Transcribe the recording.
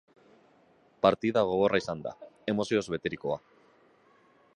Partida gogorra izan da, emozioz beterikoa.